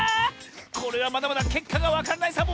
これはまだまだけっかがわからないサボ！